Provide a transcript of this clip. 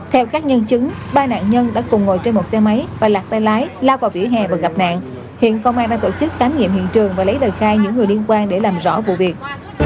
theo các nhân chứng ba nạn nhân đã cùng ngồi trên một xe máy và lạc tay lái lao vào vỉa hè và gặp nạn hiện công an đang tổ chức khám nghiệm hiện trường và lấy lời khai những người liên quan để làm rõ vụ việc